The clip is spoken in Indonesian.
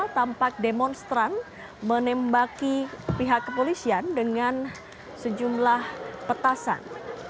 tampak demonstran menembaki pihak kepolisian dengan sejumlah petasan